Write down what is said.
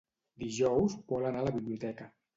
Dijous vol anar a la biblioteca.